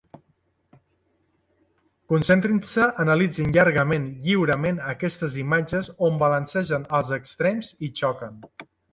Concentrin-se, analitzin llargament, lliurement, aquestes imatges on balancegen els extrems i xoquen.